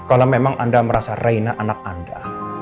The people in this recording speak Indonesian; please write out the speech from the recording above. kalau memang anda merasa raina anak anda